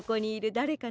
だれかん。